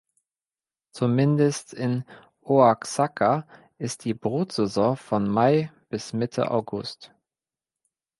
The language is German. Zumindest in Oaxaca ist die Brutsaison von Mai bis Mitte August.